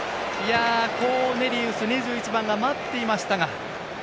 コーネリウス、２１番が待っていましたが。